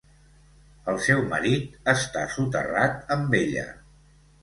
El seu marit està soterrat amb ella.